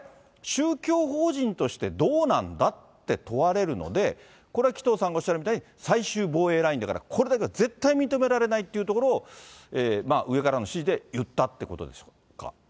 宗教法人としてどうなんだって問われるので、これは紀藤さんがおっしゃるみたいに、最終防衛ラインだから、これだけは絶対に認められないというところを、上からの指示で言ったっていうことでしょうか？